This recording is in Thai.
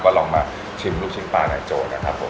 ก็ลองมาชิมลูกชิ้นปลานายโจนะครับผม